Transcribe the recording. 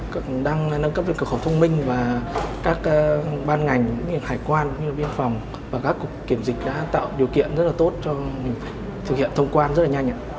cần đang nâng cấp về cửa khẩu thông minh và các ban ngành những hải quan viên phòng và các cục kiểm dịch đã tạo điều kiện rất là tốt cho mình thực hiện thông quan rất là nhanh